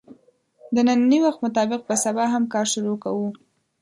د نني وخت مطابق به سبا هم کار شروع کوو